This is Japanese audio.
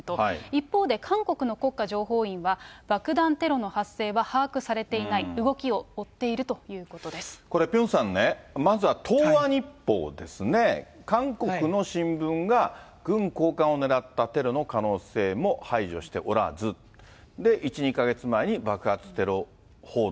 一方で、韓国の国家情報院は爆弾テロの発生は把握されていない、これ、ピョンさんね、まずは東亜日報ですね、韓国の新聞が軍高官を狙ったテロの可能性も排除しておらず、１、２か月前に爆発テロ報道。